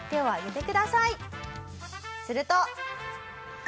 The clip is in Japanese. すると。